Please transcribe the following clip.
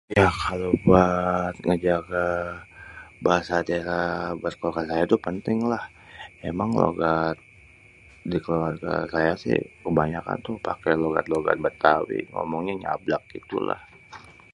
Ya kalau buat ngejage bahasa daerah buat keluarga saya itu penting lah. ya emang logat dikeluarga saya sih kebanyakan tuh pake logat-logat betawi ngomongnye nyablak gitu lah